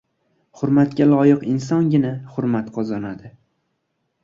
Hurmatga loyiq insongina hurmat qozonadi.